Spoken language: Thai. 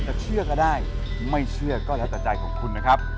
เชื่อก็ได้ไม่เชื่อก็แล้วแต่ใจของคุณนะครับ